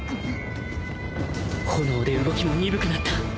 炎で動きも鈍くなった